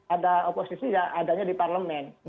ada oposisi ya adanya di parlemen